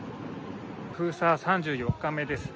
封鎖３４日目です。